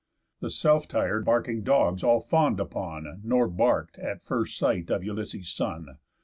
The self tire barking dogs all fawn'd upon, Nor bark'd, at first sight of Ulysses' son.